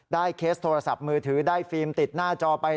เคสโทรศัพท์มือถือได้ฟิล์มติดหน้าจอไป